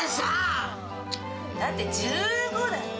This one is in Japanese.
だって１５だよ。